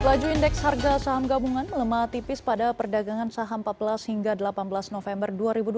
laju indeks harga saham gabungan melemah tipis pada perdagangan saham empat belas hingga delapan belas november dua ribu dua puluh